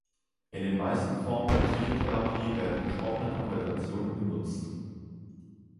In den meisten Formen der Psychotherapie werden gesprochene Konversationen genutzt.